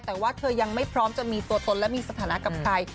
แต่ว่าเธอยังไม่พร้อมจะมีตัวตนและมีสถานะกับใคร